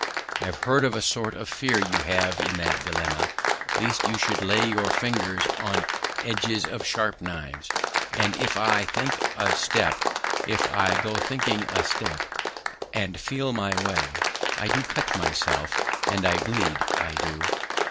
"I've heard of a sort of fear you have in that dilemma, lest you should lay your fingers on edges of sharp knives, and if I think a step if I go thinking a step, and feel my way, I do cut myself, and I bleed, I do."